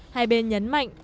hai bên nhấn mạnh